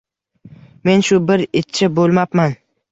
Men shu bir itcha bo`lmabman